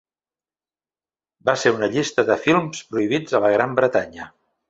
Va ser en una llista de films prohibits a la Gran Bretanya.